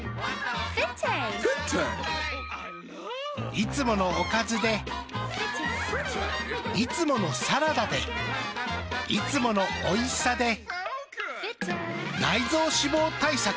いつものおかずでいつものサラダでいつものおいしさで内臓脂肪対策。